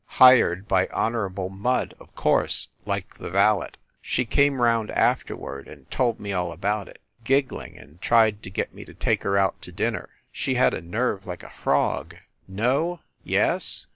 Hired by Honorable Mudde, of course, like the valet. She came round afterward and told me all about it, giggling, and tried to get me to take her out to dinner ! She had a nerve like a frog. No? Yes?